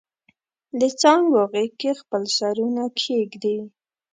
دڅانګو غیږ کې خپل سرونه کښیږدي